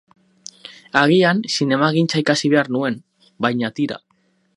Agian zinemagintza ikasi behar nuen, baina tira.